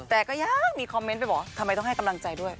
แต่ก็ยังมีคอมเมนต์ไปบอกทำไมต้องให้กำลังใจด้วย